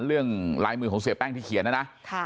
เรื่องรายมือของเสียแป้งที่เขียนแล้วนะค่ะ